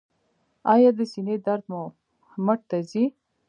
ایا د سینې درد مو مټ ته ځي؟